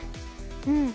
うん。